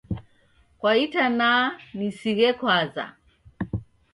Kwa itanaa nisighe kwaza.